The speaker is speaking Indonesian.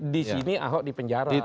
di sini ahok dipenjara